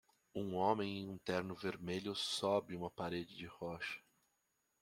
Um homem em um terno vermelho sobe uma parede de rocha